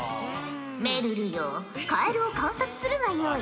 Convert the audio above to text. めるるよカエルを観察するがよい。